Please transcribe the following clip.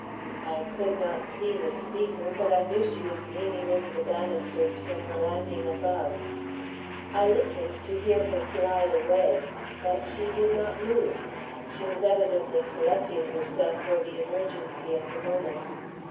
I could not see the speaker, but I knew she was leaning over the banisters from the landing above. I listened to hear her glide away. But she did not move. She was evidently collecting herself for the emergency of the moment.